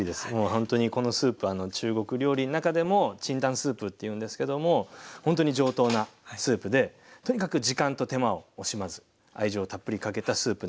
ほんとにこのスープ中国料理の中でも清湯スープって言うんですけどもほんとに上等なスープでとにかく時間と手間を惜しまず愛情をたっぷりかけたスープなんで。